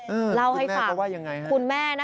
อืมคุณแม่ก็ว่ายังไงฮะนี้คุณแม่ใจว่าคุณแม่ไว้ฟังคุณแม่นะคะ